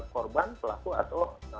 korban pelaku atau